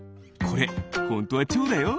これホントはチョウだよ。